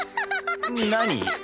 何？